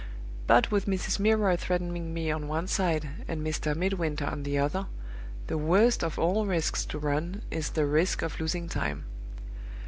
But with Mrs. Milroy threatening me on one side, and Mr. Midwinter on the other, the worst of all risks to run is the risk of losing time.